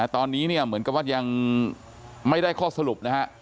ตอนนี้เนี่ยเหมือนกับว่ายังไม่ได้ข้อสรุปนะฮะ